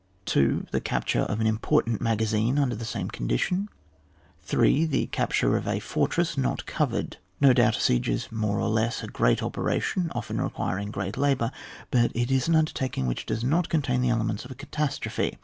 2. The capture of an important maga zine under the same condition. 3. The capture of a fortress not covered. No doubt a siege is more or less a great operation, often requiring great labour ; but it is an undertaking which does not contain the elements of a catastrophe.